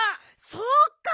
そうか！